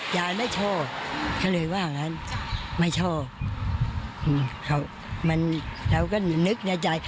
ยายไม่ชอบเขาเลยว่าอย่างงั้นไม่ชอบอืมเขามันเราก็นึกในใจ